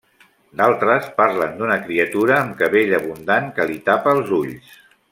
D'altres parlen d'una criatura amb cabell abundant que li tapa els ulls.